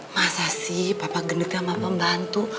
masa sih papa gedek sama pembantu